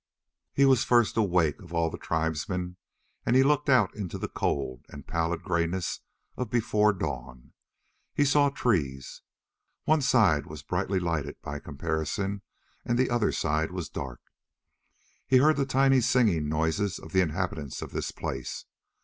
He was first awake of all the tribesmen and he looked out into the cold and pallid grayness of before dawn. He saw trees. One side was brightly lighted by comparison, and the other side was dark. He heard the tiny singing noises of the inhabitants of this place.